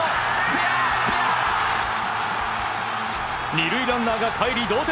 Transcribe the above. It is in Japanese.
２塁ランナーがかえり同点。